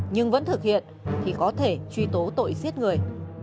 nhưng vẫn thực hiện thì có thể truy tố tội giết người